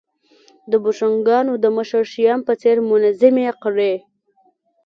د بوشونګانو د مشر شیام په څېر منظمې کړې